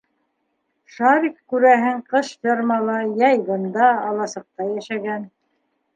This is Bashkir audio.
Шарик, күрәһең, ҡыш фермала, йәй бында, аласыҡта, йәшәгән.